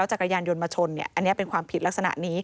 แล้วจักรยานยนต์มาชนเนี่ยอันเนี้ยเป็นความผิดลักษณะนี้